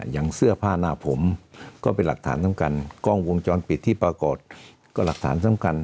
อย่างเสื้อผ้าหน้าผมก็เป็นหลักฐานสำคัญกล้องวงจรปิดที่ปรากฏก็หลักฐานสำคัญ